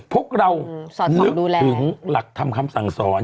พวกเราเลือกถึงหลักทำคำสั่งสอน